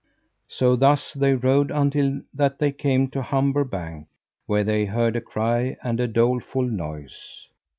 So thus they rode until that they came to Humber bank, where they heard a cry and a doleful noise.